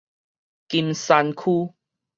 金山區